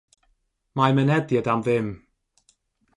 Mae mynediad am ddim.